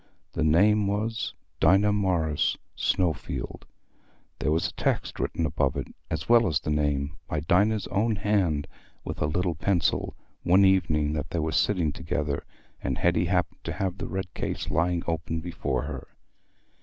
The name was—Dinah Morris, Snowfield. There was a text above it, written, as well as the name, by Dinah's own hand with a little pencil, one evening that they were sitting together and Hetty happened to have the red case lying open before her.